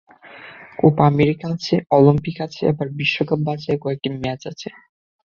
Copa America আছে, Olympic আছে, এরপর বিশ্বকাপ বাছাইয়ে কয়েকটি ম্যাচ আছে।